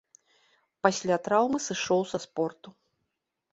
Пасля траўмы сышоў са спорту.